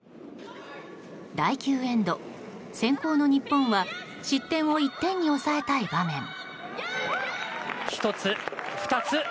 第９エンド、先攻の日本は失点を１点に抑えたい場面。